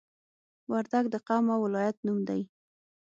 وردګ د قوم او ولایت نوم دی